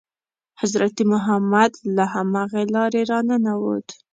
حضرت محمد له همغې لارې را ننووت.